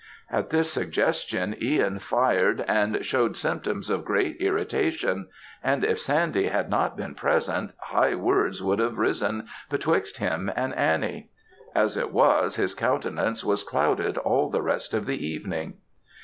At this suggestion, Ihan fired and showed symptoms of great irritation; and if Sandy had not been present, high words would have arisen betwixt him and Annie. As it was, his countenance was clouded all the rest of the evening.